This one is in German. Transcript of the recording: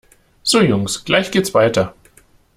So Jungs, gleich geht's weiter!